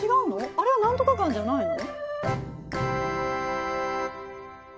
あれは何とか岩じゃないの？